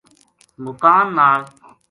مُکاں نال